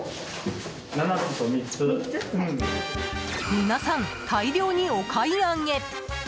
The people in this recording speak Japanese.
皆さん、大量にお買い上げ。